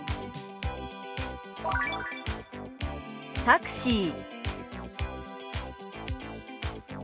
「タクシー」。